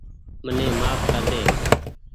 مني مهاڦ ڪر ۮي